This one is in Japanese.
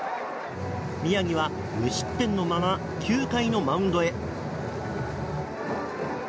宮城は無失点のまま９回のマウンドへ。